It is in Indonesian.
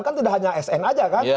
kan tidak hanya sn aja kan